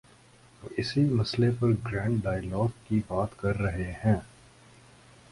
وہ اسی مسئلے پر گرینڈ ڈائیلاگ کی بات کر رہے ہیں۔